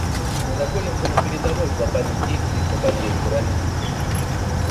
Мы находимся на передовой глобальных действий по борьбе с терроризмом.